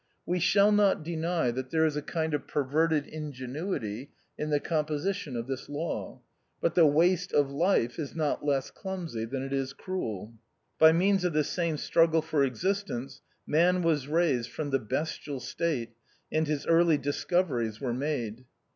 We shall not deny that there is a kind of perverted ingen uity in the composition of this law ; but the waste of life is not less clumsy than it is cruel. By means of this same struggle for existence, man was raised from the bestial state, and his early discoveries were made.